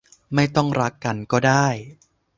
ไม่ต้องรักกันก็ได้